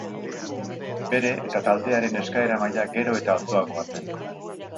Bere eta taldearen eskaera maila gero eta altuagoa zen.